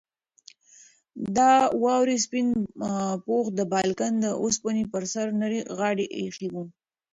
د واورې سپین پوښ د بالکن د اوسپنې پر سر نرۍ غاړه ایښې وه.